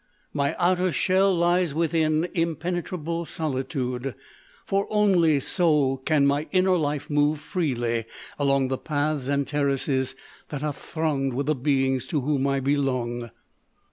My outer shell lies within impenetrable solitude, for only so can my inner life move freely along the paths and terraces that are thronged with the beings to whom I belong."